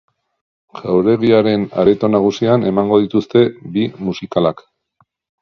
Jauregiaren areto nagusian emango dituzte bi musikalak.